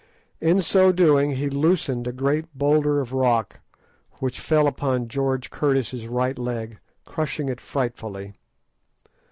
In so doing he loosened a great boulder of rock, which fell upon George Curtis's right leg, crushing it frightfully.